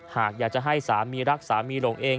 หากอยากจะให้สามีรักสามีหลงเอง